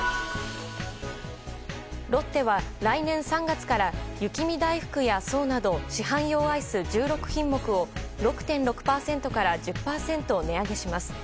ロッテは来年３月から雪見だいふくや爽など市販用アイス１６品目を６．６％から１０％値上げします。